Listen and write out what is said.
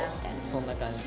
そんな感じ。